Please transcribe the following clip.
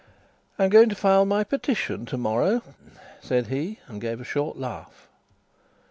"I'm going to file my petition to morrow," said he, and gave a short laugh.